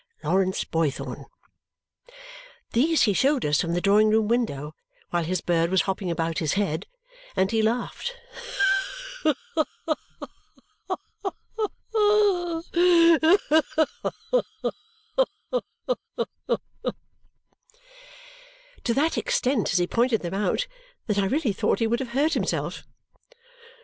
Lawrence Boythorn." These he showed us from the drawing room window, while his bird was hopping about his head, and he laughed, "Ha ha ha ha! Ha ha ha ha!" to that extent as he pointed them out that I really thought he would have hurt himself.